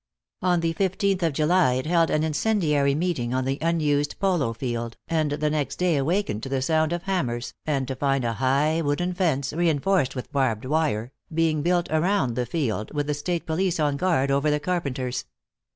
On the fifteenth of July it held an incendiary meeting on the unused polo field, and the next day awakened to the sound of hammers, and to find a high wooden fence, reenforced with barbed wire, being built around the field, with the state police on guard over the carpenters.